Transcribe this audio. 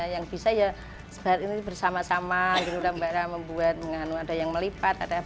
yang bisa ya bersama sama membuat yang melipat